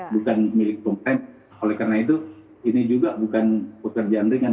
bukan milik pemerintah oleh karena itu ini juga bukan pekerjaan ringan